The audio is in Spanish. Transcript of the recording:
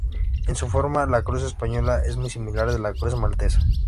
En su forma, la Cruz Española es muy similar a la Cruz maltesa.